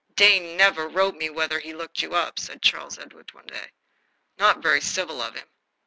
"Dane never wrote me whether he looked you up," said Charles Edward one day. "Not very civil of him."